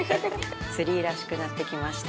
ツリーらしくなってきました。